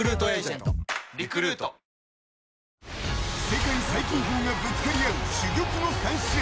［世界最高峰がぶつかり合う珠玉の３試合］